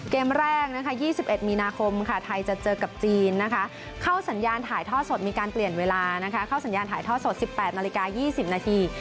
เกมแรก๒๑มีนาคมไทยจะเจอกับจีนเข้าสัญญาณถ่ายท่อสดมีการเปลี่ยนเวลา๑๘นาฬิกา๒๐นาที